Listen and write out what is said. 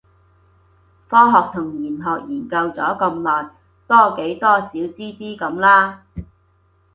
科學同玄學研究咗咁耐，多幾多少知啲咁啦